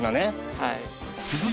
はい。